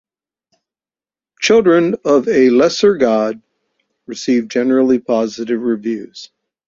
"Children of a Lesser God" received generally positive reviews.